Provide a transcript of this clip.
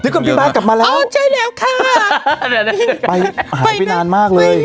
ก่อนพี่บาทกลับมาแล้วอ๋อใช่แล้วค่ะไปหายไปนานมากเลย